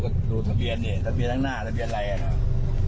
ก็ดูทะเบียนนี่ทะเบียนข้างหน้าทะเบียนอะไรอ่ะ